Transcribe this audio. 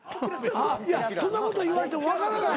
いやそんなこと言われても分からない。